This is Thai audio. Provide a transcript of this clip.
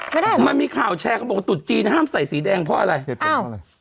ไม่ได้มันมีข่าวแชร์กับบอกว่าตุดจีนห้ามใส่สีแดงเพราะอะไรเอ้า